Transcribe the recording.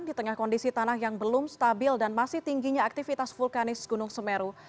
di tengah kondisi tanah yang belum stabil dan masih tingginya aktivitas vulkanis gunung semeru